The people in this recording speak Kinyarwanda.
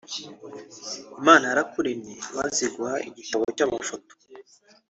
Imana yarakuremye maze iguha igitabo cy'amafoto